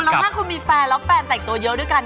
แล้วถ้าคุณมีแฟนแล้วแฟนแต่งตัวเยอะด้วยกัน